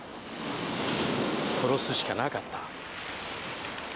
殺すしかなかった。